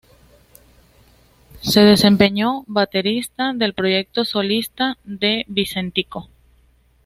Se desempeñó como baterista del proyecto solista de Vicentico.